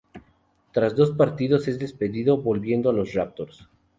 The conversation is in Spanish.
Tras dos partidos es despedido, volviendo a los Raptors.